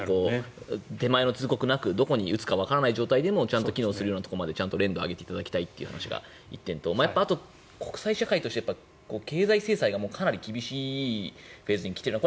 手前の通告なくどこに撃つかわからない状態でもちゃんと機能する段階まで練度を上げていただきたいというのが１点とあと国際社会として経済制裁がかなり厳しいフェーズに来ていると。